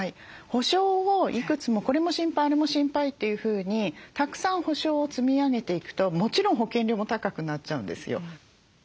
保障をいくつもこれも心配あれも心配というふうにたくさん保障を積み上げていくともちろん保険料も高くなっちゃうんですよ。